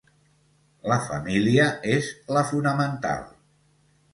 La família és la fonamental.